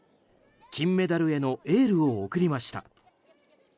金メダルへのエールを送りました。